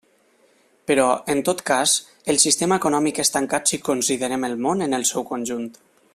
Però, en tot cas, el sistema econòmic és tancat si considerem el món en el seu conjunt.